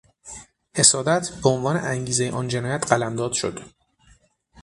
حسادت به عنوان انگیزهی آن جنایت قلمداد شد.